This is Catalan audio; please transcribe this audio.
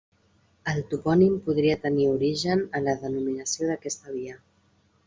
El topònim podria tenir origen en la denominació d'aquesta via.